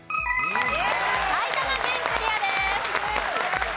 埼玉県クリアです。